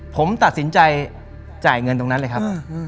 ผมตัดสินใจจ่ายเงินตรงนั้นเลยครับ